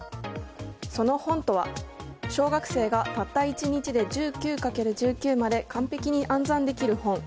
その本とは「小学生がたった１日で１９×１９まで完璧に暗算できる本」。